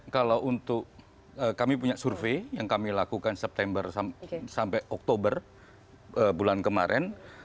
kalau untuk kami punya survei yang kami lakukan september sampai oktober bulan kemarin